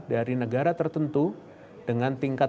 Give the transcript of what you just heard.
dari negara tertentu dengan tingkat